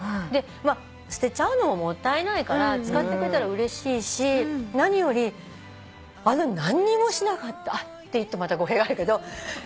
で捨てちゃうのももったいないから使ってくれたらうれしいし何よりあの何にもしなかったって言うとまた語弊があるけど。